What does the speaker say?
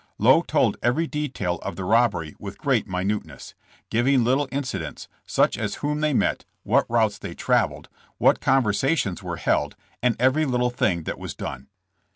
Lowe told every detail of the robbery with great minuteness, giving little incidents, such as whom they met, what routes they traveled, what conversations were held, and every little thing that was done.